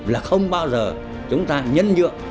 là không bao giờ chúng ta nhân dựa